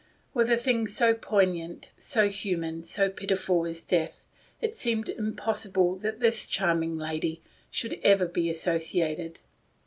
With a thing so poignant, so human, so pitiful as death, it seemed impos sible that this charming lady could ever be associated.